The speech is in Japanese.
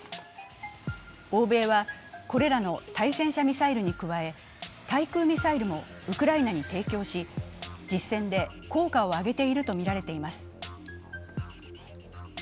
欧米はこれらの対戦車ミサイルに加え、対空ミサイルもウクライナに提供し実戦で効果を上げているとみられています。